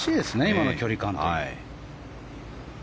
今の距離感。